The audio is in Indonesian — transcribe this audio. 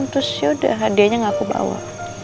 terus yaudah hadianya gak aku bawa